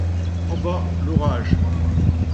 En bas, l’orage.